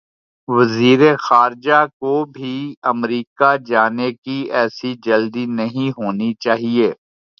وزیر خارجہ کو بھی امریکہ جانے کی ایسی جلدی نہیں ہونی چاہیے۔